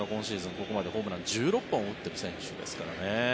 ここまでホームラン１６本打っている選手ですからね。